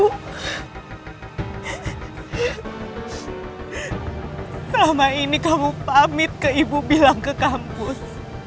selama ini kamu pamit ke ibu bilang ke kampus